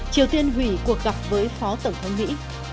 triều tiên hủy cuộc gặp với phó tổng thống mỹ